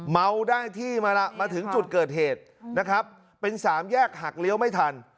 เมาได้ที่มาละมาถึงจุดเกิดเหตุนะครับเป็นสามแยกหักเลี้ยวไม่ทัน